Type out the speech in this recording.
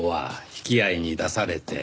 引き合いに出されて。